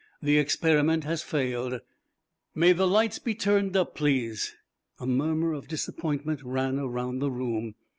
The experiment has failed. May the lights be turned up, please." A murmur of disappointment ran around the room.